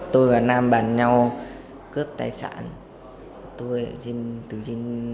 tôi và nam bàn nhau cướp tài sản